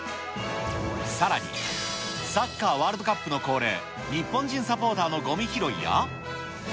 さらに、サッカーワールドカップの恒例、日本人サポーターのごみ拾いや。